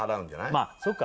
まあそっか。